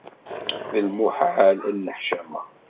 D lmuḥal ad nneḥcameɣ!